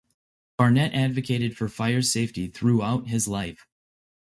Barnett advocated for fire safety throughout his life.